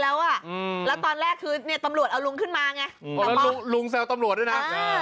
ลุงแซวตำรวจด้วยนะ